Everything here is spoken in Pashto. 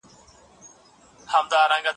ایا انا به ماشوم ته بښنه وکړي؟